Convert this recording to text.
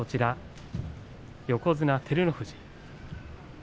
横綱照ノ富士。